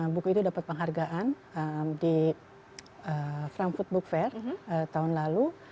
buku itu dapat penghargaan di frankfurt book fair tahun lalu